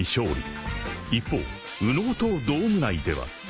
［一方右脳塔ドーム内では］